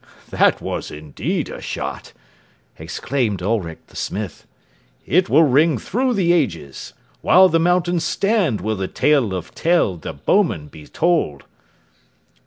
"That was indeed a shot!" exclaimed Ulric the smith; "it will ring through the ages. While the mountains stand will the tale of Tell the bowman be told."